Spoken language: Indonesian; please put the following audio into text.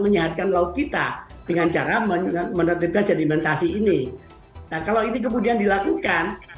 menyehatkan laut kita dengan cara menetapkan jadil mentasi ini kalau ini kemudian dilakukan